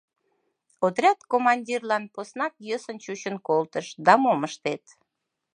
Отряд командирлан поснак йӧсын чучын колтыш, да мом ыштет...